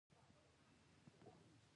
دوی هم خپلې سکې لرلې